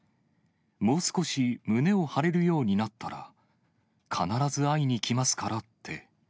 もう少し胸を張れるようになったら、必ず会いに来ますからって。